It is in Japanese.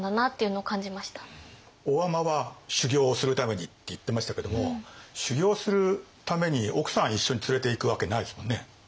大海人は修行をするためにって言ってましたけども修行をするために奥さん一緒に連れていくわけないですもんね。